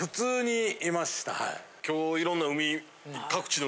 はい。今日いろんな海。